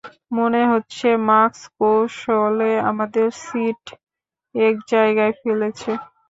মনে হচ্ছে ম্যাক্স কৌশলে আমাদের সিট এক জায়গায় ফেলেছে।